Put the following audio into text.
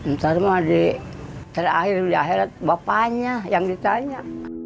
ntar mah di terakhir di akhirnya bapaknya yang ditanya